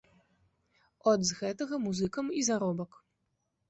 От з гэтага музыкам і заработак.